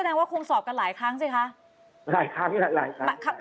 อ๋อแสดงว่าคงสอบกันหลายครั้งสิค่ะหลายครั้งค่ะหลายครั้งค่ะ